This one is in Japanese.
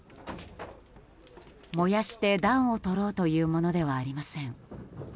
燃やして暖をとろうというものではありません。